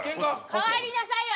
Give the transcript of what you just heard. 代わりなさいよ